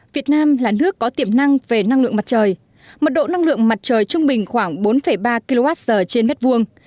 việt nam là nước có tiềm năng về năng lượng mặt trời mật độ năng lượng mặt trời trung bình khoảng bốn ba kwh trên mét vuông